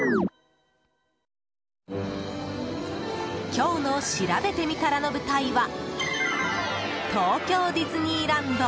今日のしらべてみたらの舞台は東京ディズニーランド。